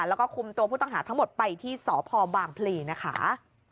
แล้วก็คุมตัวผู้ต้องหาทั้งหมดไปที่สพบางพลีนะคะ